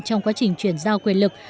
trong quá trình chuyển giao quyền lực